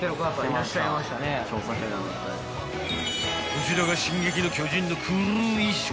［こちらが『進撃の巨人』のクルー衣装］